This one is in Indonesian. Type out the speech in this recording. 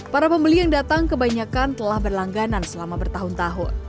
para pembeli yang datang kebanyakan telah berlangganan selama bertahun tahun